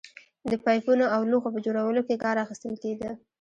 د پایپونو او لوښو په جوړولو کې کار اخیستل کېده